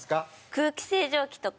空気清浄機とか。